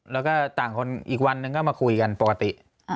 แล้วก็ต่างคนอีกวันนึงก็มาคุยกันปกติ